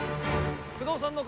不動産の方？